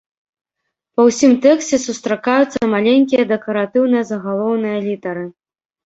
Па ўсім тэксце сустракаюцца маленькія дэкаратыўныя загалоўныя літары.